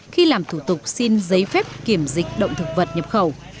khi làm thủ tục xin giấy phép kiểm dịch động thực vật nhập khẩu